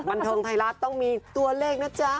บันเทิงไทยรัฐต้องมีตัวเลขนะจ๊ะ